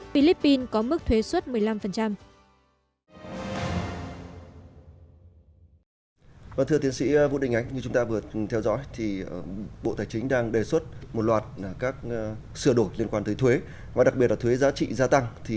philippines có mức thuế xuất một mươi năm